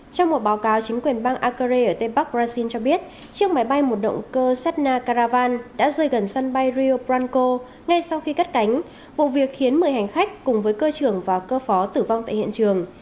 trong một báo cáo chính quyền bang acre ở tây bắc brazil cho biết chiếc máy bay một động cơ sedna caravan đã rơi gần sân bay rio branco ngay sau khi cắt cánh vụ việc khiến một mươi hành khách cùng với cơ trưởng và cơ phó tử vong tại hiện trường